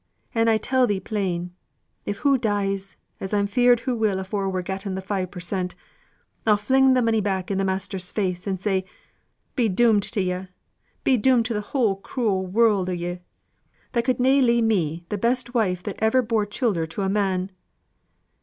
An' I tell thee plain if hoo dies, as I'm 'feard hoo will afore we've getten th' five per cent., I'll fling the money back i' th' master's face, and say, 'Be domned to yo'; be domned to th' whole cruel world o' yo'; that could na leave me th' best wife that ever bore childer to a man.